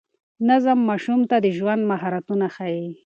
نظم ماشوم ته د ژوند مهارتونه ښيي.